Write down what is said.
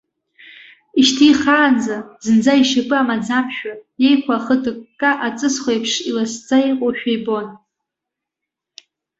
Ишьҭихаанӡа, зынӡа ишьапы амаӡамшәа, иеиқәа ахы ҭыкка, аҵысхә еиԥш иласӡа иҟоушәа ибон.